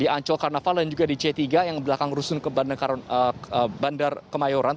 di ancol karnaval dan juga di c tiga yang belakang rusun bandar kemayoran